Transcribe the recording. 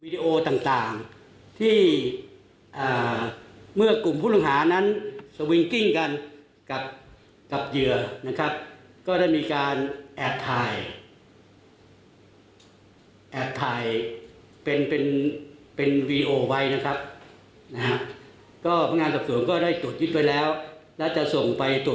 จะส่งไปตรวจพิสูจน์ที่พิสูจน์หลักฐานที่จังหวัดนครราชิมา